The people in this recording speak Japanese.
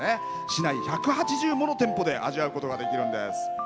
市内１８０もの店舗で味わうことができるんです。